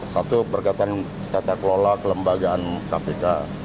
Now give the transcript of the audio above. satu berkaitan tata kelola kelembagaan kpk